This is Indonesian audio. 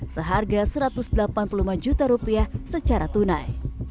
seharga satu ratus delapan puluh lima juta rupiah secara tunai